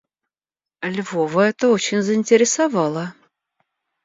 Львова это очень заинтересовало.